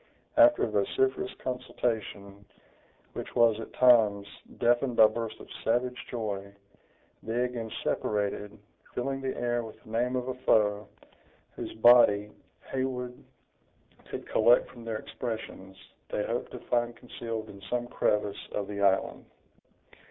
After a vociferous consultation, which was, at times, deafened by bursts of savage joy, they again separated, filling the air with the name of a foe, whose body, Heywood could collect from their expressions, they hoped to find concealed in some crevice of the island.